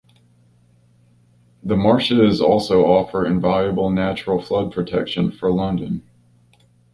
The marshes also offer invaluable natural flood protection for London.